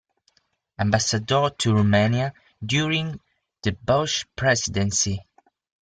Ambassador to Romania during the Bush Presidency.